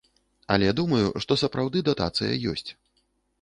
Але думаю, што сапраўды датацыя ёсць.